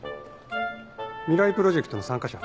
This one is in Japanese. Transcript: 未来プロジェクトの参加者？